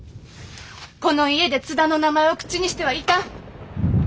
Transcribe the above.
この家で津田の名前を口にしてはいかん！